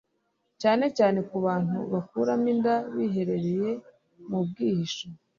cyane cyane ku bantu bakuramo inda biherereye mu bwihisho,